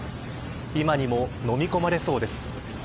今にも飲み込まれそうです。